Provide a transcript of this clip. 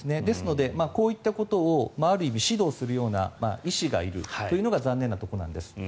ですので、こういったことをある意味、指導するような医師がいるというのが残念なことなんです。